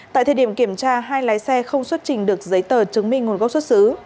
tại thời điểm kiểm tra hai lái xe không xuất trình được giấy tờ chứng minh nguồn gốc xuất xứ